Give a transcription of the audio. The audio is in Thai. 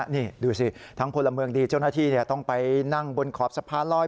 นี่ดูสิทั้งพลเมืองดีเจ้าหน้าที่ต้องไปนั่งบนขอบสะพานลอย